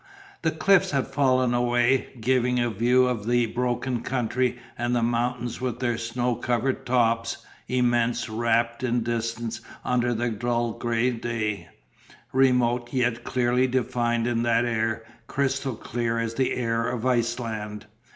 The cliffs had fallen away, giving a view of the broken country and the mountains with their snow covered tops, immense, wrapped in distance under the dull grey day, remote, yet clearly defined in that air, crystal clear as the air of Iceland.